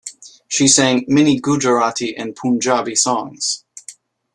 She sang many Gujarati and Punjabi songs.